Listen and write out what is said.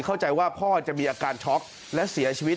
เข้าใจว่าพ่อจะมีอาการช็อกและเสียชีวิต